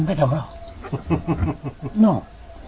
ไม่ไม่เอาออก